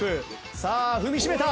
さあ踏みしめた！